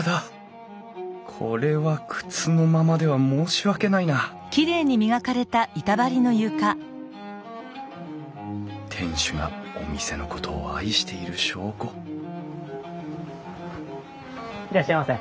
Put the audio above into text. これは靴のままでは申し訳ないな店主がお店のことを愛している証拠いらっしゃいませ。